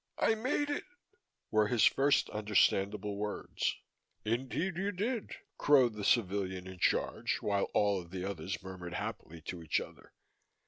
"I made it," were his first understandable words. "Indeed you did!" crowed the civilian in charge, while all of the others murmured happily to each other.